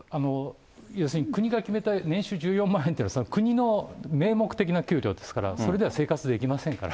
要するに国が決めた年収１４万円というのは、国の名目的な給料ですから、それでは生活できませんから。